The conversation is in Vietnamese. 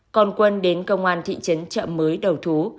còn quân đến công an thị trấn trợ mới đầu thú